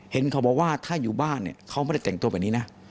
เห็นเขาบอกว่าถ้าอยู่บ้านเนี่ยเขาไม่ได้แต่งตัวแบบนี้นะ